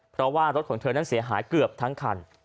เพราะว่ารถของเธอนั้นเสียหายเกือบทั้งคัน